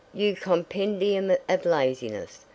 "You compendium of laziness!